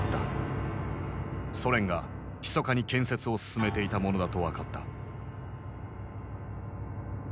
ソ連がひそかに建設を進めていたものだと分かった。